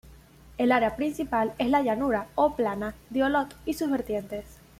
El área principal es la llanura o "plana" de Olot y sus vertientes.